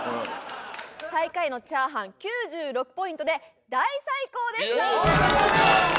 最下位のチャーハン９６ポイントで大最高でした！